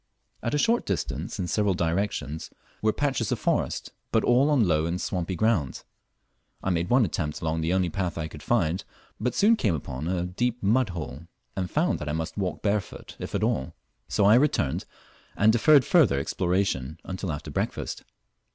At a short distance in several directions were patches of forest, but all on low and swampy ground. I made one attempt along the only path I could find, but soon came upon a deep mud hole, and found that I must walk barefoot if at all; so I returned and deferred further exploration till after breakfast.